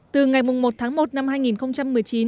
từ ngày một tháng một năm hai nghìn một mươi chín